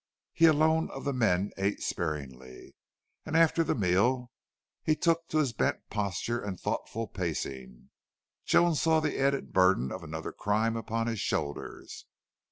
He alone of the men ate sparingly, and after the meal he took to his bent posture and thoughtful pacing. Joan saw the added burden of another crime upon his shoulders.